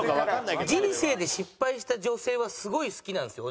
人生で失敗した女性はすごい好きなんですよ